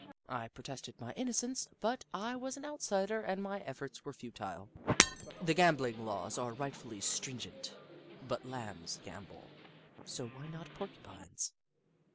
I pro tested my innocence, but I was an outsider and my efforts were futile. The gambling laws are rightfully stringent, but Lambs gam bol, so why not Porcupines